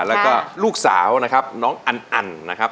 แล้วก็ลูกสาวนะครับน้องอันนะครับ